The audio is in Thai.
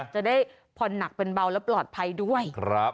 จะได้ผ่อนหนักเป็นเบาและปลอดภัยด้วย